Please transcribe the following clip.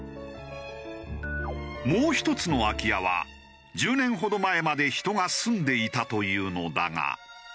もう１つの空き家は１０年ほど前まで人が住んでいたというのだが。